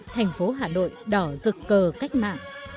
thành phố hà nội đỏ rực cờ cách mạng